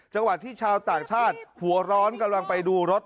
จังหวัดที่ชาวต่างชาติหัวร้อนกำลังไปดูรถ